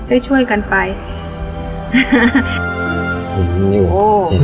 อันนี้หายแล้ว